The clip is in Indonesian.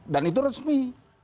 dan itu resmi